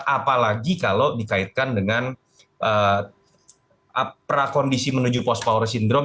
apalagi kalau dikaitkan dengan prakondisi menuju post power syndrome